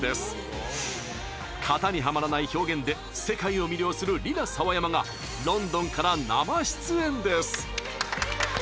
型に、はまらない表現で世界を魅了するＲｉｎａＳａｗａｙａｍａがロンドンから生出演です。